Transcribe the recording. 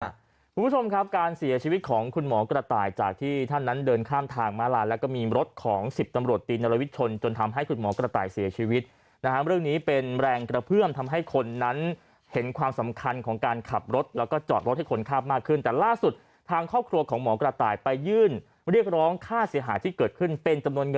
คุณผู้ชมครับการเสียชีวิตของคุณหมอกระต่ายจากที่ท่านนั้นเดินข้ามทางม้าลายแล้วก็มีรถของ๑๐ตำรวจตีนรวิทชนจนทำให้คุณหมอกระต่ายเสียชีวิตนะฮะเรื่องนี้เป็นแรงกระเพื่อมทำให้คนนั้นเห็นความสำคัญของการขับรถแล้วก็จอดรถให้คนข้ามมากขึ้นแต่ล่าสุดทางครอบครัวของหมอกระต่ายไปยื่นเรียกร้องค่าเสียหายที่เกิดขึ้นเป็นจำนวนเงิน